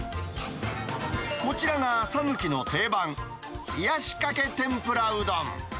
こちらが讃岐の定番、冷やしかけ天麩羅うどん。